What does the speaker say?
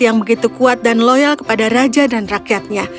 yang begitu kuat dan loyal kepada raja dan rakyatnya